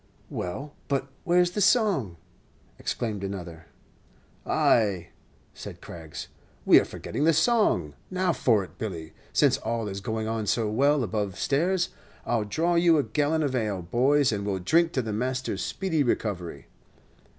"Well, but where's the song?" exclaimed another. "Ay," said Craggs, "we are forgetting the song. Now for it, Billy. Since all is going on so well above stairs, I'll draw you a gallon of ale, boys, and we 'll drink to the master's speedy recovery."